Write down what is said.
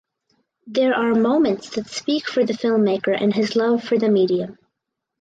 There are moments that speak for the filmmaker and his love for the medium.